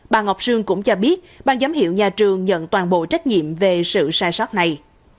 bà ngọc sương cũng cho biết bang giám hiệu nhà trường nhận toàn bộ trách nhiệm về sự sai sót này